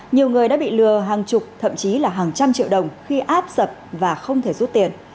nhiều người đã bị lừa hàng chục thậm chí là hàng trăm triệu đồng khi áp sập và không thể rút tiền